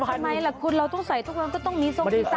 ทำไมล่ะคุณเราต้องใส่ทุกวันก็ต้องมีส้มมีตา